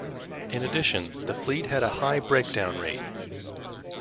In addition, the fleet had a high breakdown rate.